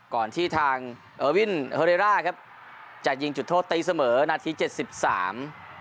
ก่อนที่ทางเออร์วินเฮอเรร่าครับจะยิงจุดโทษตีเสมอนาทีเจ็ดสิบสาม